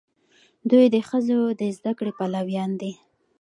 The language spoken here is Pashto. دوی د ښځو د زده کړې پلویان دي.